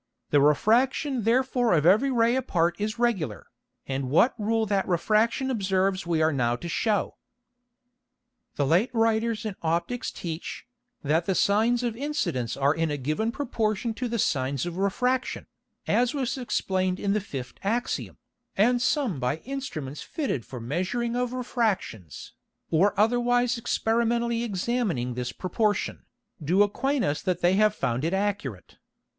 The Refraction therefore of every Ray apart is regular, and what Rule that Refraction observes we are now to shew.[E] The late Writers in Opticks teach, that the Sines of Incidence are in a given Proportion to the Sines of Refraction, as was explained in the fifth Axiom, and some by Instruments fitted for measuring of Refractions, or otherwise experimentally examining this Proportion, do acquaint us that they have found it accurate.